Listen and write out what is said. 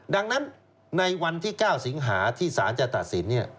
ดังนั้นในวันที่๙สิงหาที่สารจะตัดสิน